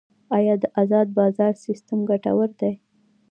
آیا د ازاد بازار سیستم ګټور دی؟